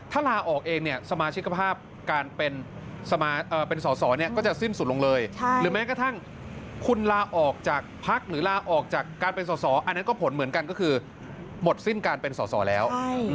ถ้าลาออกเองเนี่ยสมาชิกภาพการเป็นสอสอเนี่ยก็จะสิ้นสุดลงเลยหรือแม้กระทั่งคุณลาออกจากพักหรือลาออกจากการเป็นสอสออันนั้นก็ผลเหมือนกันก็คือหมดสิ้นการเป็นสอสอแล้ว